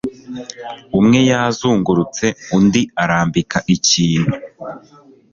Umwe yazungurutse undi arambika ikintu